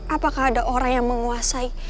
apakah ada orang yang menguasai